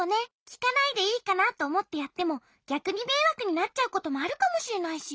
きかないでいいかなとおもってやってもぎゃくにめいわくになっちゃうこともあるかもしれないし。